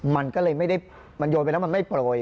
มันก็เลยไม่ได้มันโยนไปแล้วมันไม่โปรย